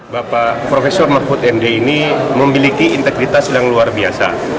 bapak prof mahfud md ini memiliki integritas yang luar biasa